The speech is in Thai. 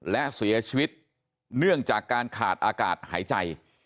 และเสียชีวิตเนื่องจากการขาดอากาศหายใจ